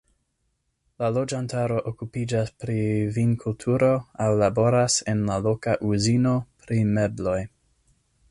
La loĝantaro okupiĝas pri vinkulturo aŭ laboras en la loka uzino pri mebloj.